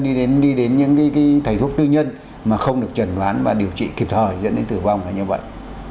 đi đến những thầy thuốc tư nhân mà không được trần đoán và điều trị kịp thời dẫn đến tử vong là như vậy